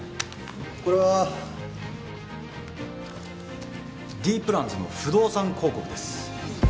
これはＤプランズの不動産広告です